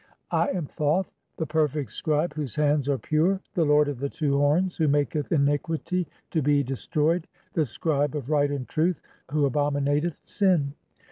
341 "I am Thoth, the perfect scribe, (3) whose hands are pure, "the lord of the two horns, who maketh iniquity [to be de stroyed], the scribe of right and truth, who abominateth sin.